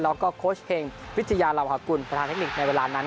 แล้วก็โค้ชเฮงวิทยาลาวหากุลประธานเทคนิคในเวลานั้น